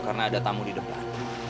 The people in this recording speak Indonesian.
karena ada tamu di depan